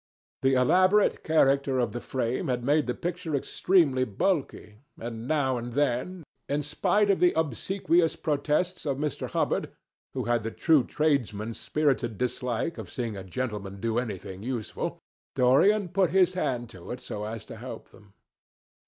The elaborate character of the frame had made the picture extremely bulky, and now and then, in spite of the obsequious protests of Mr. Hubbard, who had the true tradesman's spirited dislike of seeing a gentleman doing anything useful, Dorian put his hand to it so as to help them.